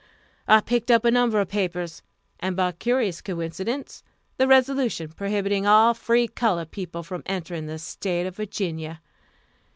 I picked up a number of papers, and, by curious coincidence, the resolution prohibiting all free colored people from entering the State of Virginia.